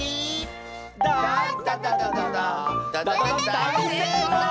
だいせいこう！